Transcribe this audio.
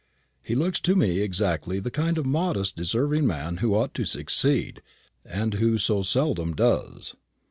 He looks to me exactly the kind of modest deserving man who ought to succeed, and who so seldom does."